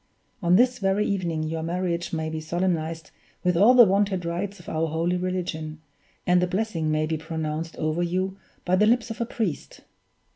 On this very evening your marriage may be solemnized with all the wonted rites of our holy religion, and the blessing may be pronounced over you by the lips of a priest.